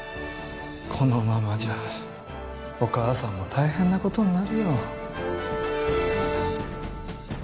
このままじゃお母さんも大変なことになるよ